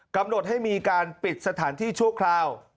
กำหนดให้มีการปิดสถานที่ชั่วคราว